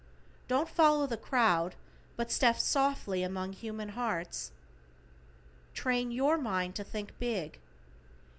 Don't follow the crowd, but step softly among human hearts. Train your mind to think big.